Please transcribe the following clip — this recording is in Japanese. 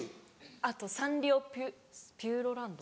あとサンリオピューロランド。